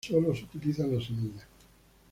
Sólo se utilizan las semillas.